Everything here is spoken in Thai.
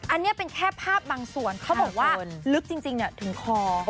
อันนี้เป็นแค่ภาพบางส่วนเขาบอกว่าลึกจริงถึงคอ